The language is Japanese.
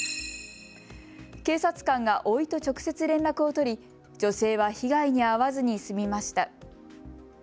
警察官がおいと直接連絡を取り女性は被害に遭わずに済みました。